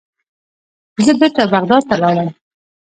زه بیرته بغداد ته لاړم.